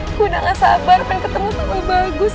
aku udah gak sabar pengen ketemu sama bagus